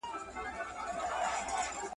ماهى چي نه نيسې، تر لکۍ ئې ټينگوه.